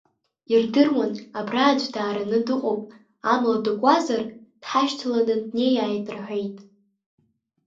Ирдыруан, абра аӡә даараны дыҟоуп, амла дакуазар дҳашьҭаланы днеиааит, — рҳәеит…